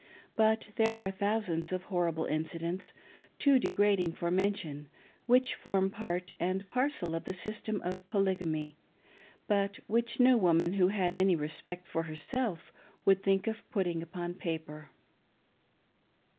But there are thousands of horrible incidents, too degrading for mention, which form part and parcel of the system of Poly gamy, but which no woman who had any respect for herself would think of putting upon paper.